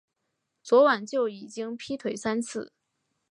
昨晚就已经劈腿三次